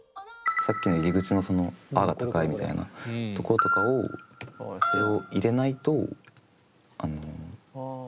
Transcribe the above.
さっきの入り口のその「嗚」が高いみたいなところとかをこれを入れないとあの。